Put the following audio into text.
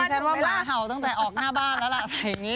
ฉันว่าเวลาเห่าตั้งแต่ออกหน้าบ้านแล้วล่ะอะไรอย่างนี้